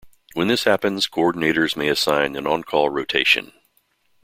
When this happens, coordinators may assign an on-call rotation.